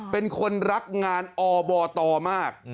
เป็นคนรักงานอบตมาก